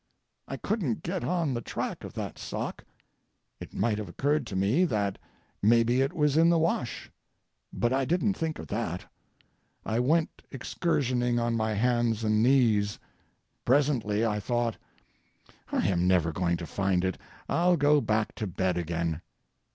I couldn't get on the track of that sock. It might have occurred to me that maybe it was in the wash. But I didn't think of that. I went excursioning on my hands and knees. Presently I thought, "I am never going to find it; I'll go back to bed again."